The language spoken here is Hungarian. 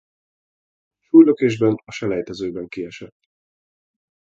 Súlylökésben a selejtezőben kiesett.